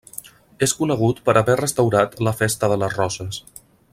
És conegut per haver restaurat la Festa de les Roses.